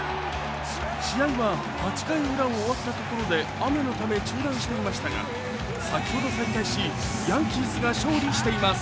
試合は８回ウラを終わったところで雨のため中断していましたが先ほど再開し、ヤンキースが勝利しています。